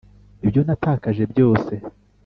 ibyo natakaje byose.